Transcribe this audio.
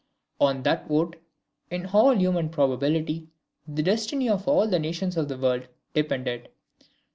On that vote, in all human probability, the destiny of all the nations of the world depended.